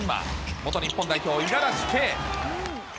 元日本代表、五十嵐圭。